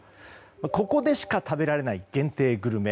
ここでしか食べられない限定グルメ。